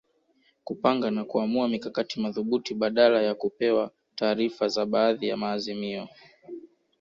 Kupanga na kuamua mikakati madhubuti badala ya kupewa taarifa za baadhi ya maazimio